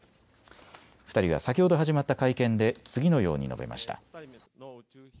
２人は先ほど始まった会見で次のように述べました。